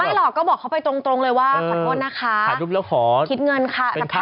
ไม่หรอกก็บอกเข้าไปตรงเลยว่าขอโทษนะคะ